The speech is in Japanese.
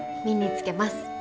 身につけます。